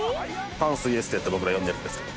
淡水エステって僕ら呼んでるんですけど。